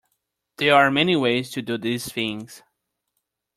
There are many ways to do these things.